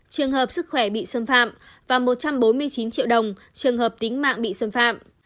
trường hợp sức khỏe bị xâm phạm và một trăm bốn mươi chín triệu đồng trường hợp tính mạng bị xâm phạm